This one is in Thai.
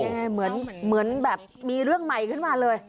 เหมือนแบบมีเรื่องใหม่ขึ้นมาเลย